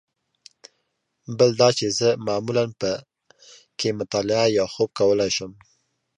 بل دا چې زه معمولاً په کې مطالعه یا خوب کولای شم.